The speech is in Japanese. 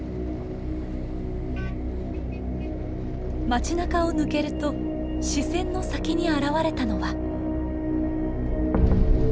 街なかを抜けると視線の先に現れたのは。